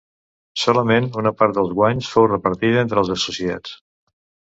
Solament una part dels guanys fou repartida entre els associats.